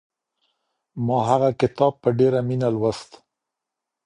ما هغه کتاب په ډېره مینه لوست.